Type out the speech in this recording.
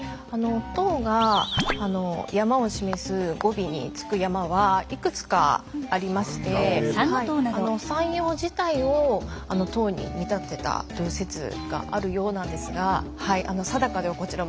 塔が山を示す語尾に付く山はいくつかありまして山容自体を塔に見立てたという説があるようなんですがいや